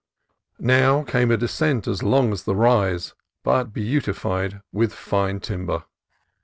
Now came a descent as long as the rise, but beau tified with fine timber.